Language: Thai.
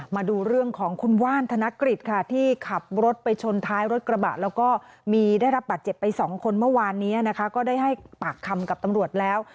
มาดูเรื่องของคุณว่านธนกฤษค่ะที่ขับรถไปชนท้ายรถกระบะแล้วก็มีได้รับบาดเจ็บไปสองคนเมื่อวานนี้นะคะก็ได้ให้ปากคำกับตำรวจแล้ว